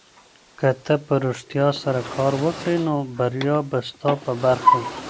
که ته په رښتیا سره کار وکړې نو بریا به ستا په برخه وي.